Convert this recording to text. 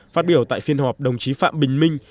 phát biểu tại phiên họp đồng chí phạm bình minh